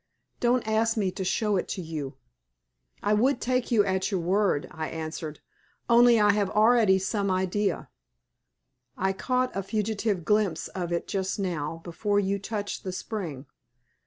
Don't ask me to show it to you." "I would take you at your word," I answered, "only I have already some idea. I caught a fugitive glimpse of it just now, before you touched the spring.